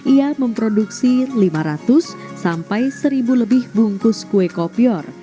ia memproduksi lima ratus sampai seribu lebih bungkus kue kopior